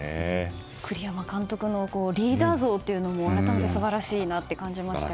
栗山監督のリーダー像も改めて素晴らしいなと感じましたね。